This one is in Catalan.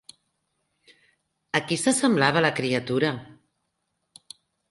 A qui s'assemblava la criatura?